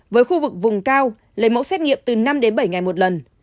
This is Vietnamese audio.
với khu vực vùng cao lấy mẫu xét nghiệm từ năm đến bảy ngày một lần